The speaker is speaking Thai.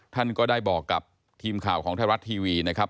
ท่านก็ได้บอกกับทีมข่าวของไทยรัฐทีวีนะครับ